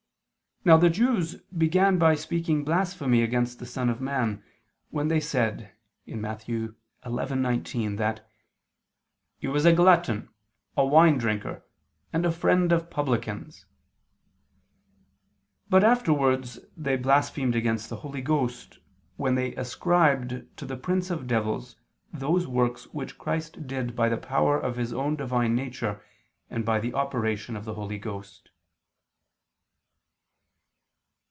Now the Jews began by speaking blasphemy against the Son of Man, when they said (Matt. 11:19) that He was "a glutton ... a wine drinker," and a "friend of publicans": but afterwards they blasphemed against the Holy Ghost, when they ascribed to the prince of devils those works which Christ did by the power of His own Divine Nature and by the operation of the Holy Ghost.